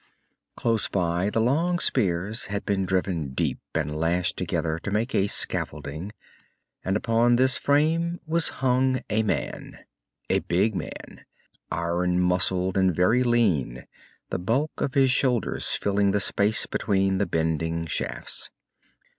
Close by, the long spears had been driven deep and lashed together to make a scaffolding, and upon this frame was hung a man. A big man, iron muscled and very lean, the bulk of his shoulders filling the space between the bending shafts.